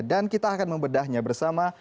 dan kita akan membedahnya bersama